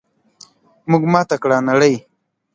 موږ ماته کړه نړۍ!